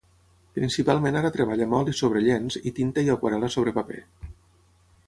Principalment ara treballa amb oli sobre llenç i tinta i aquarel·la sobre paper.